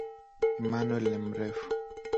Emmanuel ni mrefu